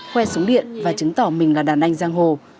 khoe súng điện và chứng tỏ mình là đàn anh giang hồ